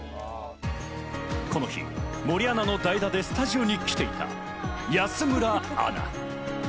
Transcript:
この日、森アナの代打でスタジオに来ていた安村アナ。